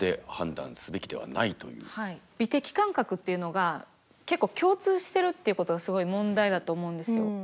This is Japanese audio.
美的感覚っていうのが結構共通してるっていうことがすごい問題だと思うんですよ。